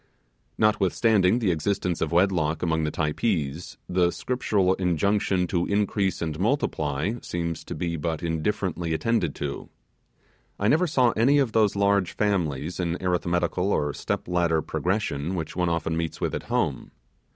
Notwithstanding the existence of wedlock among the Typees, the Scriptural injunction to increase and multiply seems to be but indifferently attended to. I never saw any of those large families in arithmetical or step ladder progression which one often meets with at home.